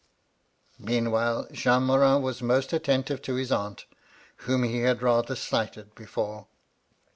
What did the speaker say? Meanwhile Jean Morin was most attentive to his aunt ; whom he had rather slighted before.